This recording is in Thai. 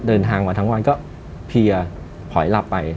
เดินทางมาทั้งวันก็เพียถอยหลับไป